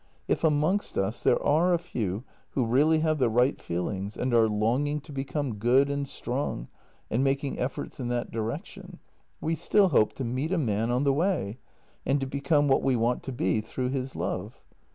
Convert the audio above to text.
If amongst us there are a few who really have the right feel ings and are longing to become good and strong, and making efforts in that direction — we still hope to meet a man on the way and to become what we want to be through his love.